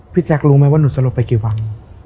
แจ๊ครู้ไหมว่าหนูสลบไปกี่วัน